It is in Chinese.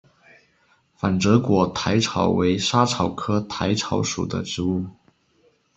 反折果薹草为莎草科薹草属的植物。